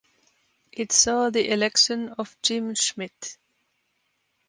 It saw the election of Jim Schmitt.